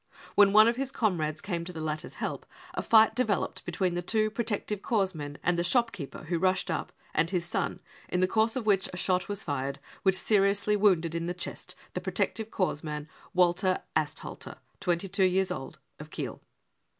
When one of his comrades came to the latter's help, a fight developed between the two protective corps men *md the shopkeeper, who rushed up, and his son, in the course of which a shot was fired which seriously wounded in the chest the protective corps man Walter Asthalter, 22 years old, of Kiel."